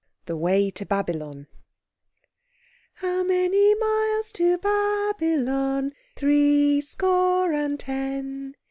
THE WAY TO BABYLON "How many miles to Babylon? Three score and ten!